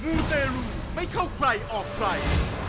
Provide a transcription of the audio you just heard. มูดเตรียร์รู้ไม่เข้าใครออกใคร